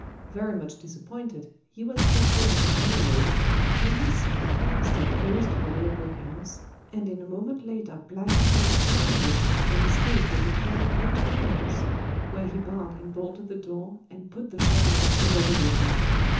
Very much disappointed, he was just going to turn away, when he saw the kettle stop close to the little brick house, and in a moment later Blacky jumped out of it and escaped with the kettle into the house, when he barred and bolted the door, and put the shutter up over the window.